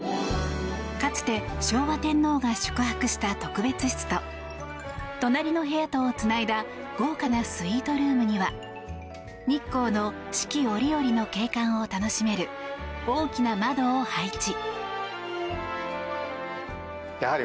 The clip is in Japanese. かつて昭和天皇が宿泊した特別室と、隣の部屋とをつないだ豪華なスイートルームには日光の四季折々の景観を楽しめる大きな窓を配置。